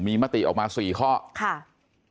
ให้เพื่อไทยภาคอันดับ๒เนี่ยเป็นการนำในการไปจัดตั้งรัฐวาลแทน